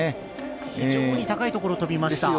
非常に高いところ飛びました。